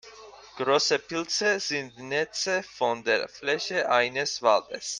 Große Pilze sind Netze von der Fläche eines Waldes.